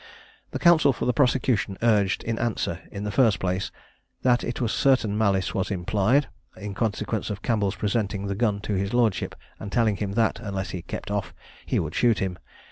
The counsel for the prosecution urged in answer, in the first place, "That it was certain malice was implied, in consequence of Campbell's presenting the gun to his lordship, and telling him that, unless he kept off, he would shoot him.